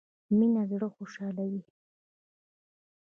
مينه زړه خوشحالوي